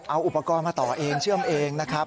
เอาอุปกรณ์มาต่อเองเชื่อมเองนะครับ